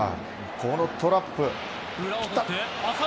このトラップ。